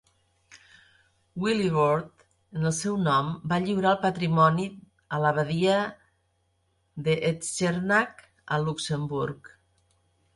Wilibrord, en el seu nom, va lliurar el patrimoni a l'Abadia de Echternach a Luxemburg.